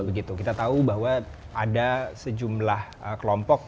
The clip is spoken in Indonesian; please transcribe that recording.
begitu kita tahu bahwa ada sejumlah kelompok ya misalkan suara akar rumput